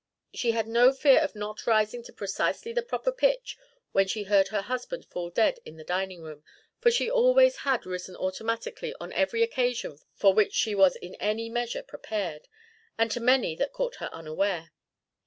She had no fear of not rising to precisely the proper pitch when she heard her husband fall dead in the dining room, for she always had risen automatically to every occasion for which she was in any measure prepared, and to many that had caught her unaware.